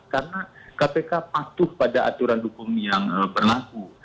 karena kpk patuh pada aturan hukum yang berlaku